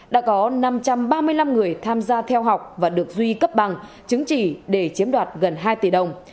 đã có năm trăm ba mươi năm người tham gia theo học và được duy cấp bằng chứng chỉ để chiếm đoạt gần hai tỷ đồng